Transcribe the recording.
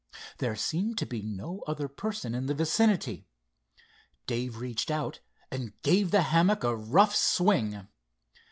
There seemed to be no other person in the vicinity. Dave reached out and gave the hammock a rough swing.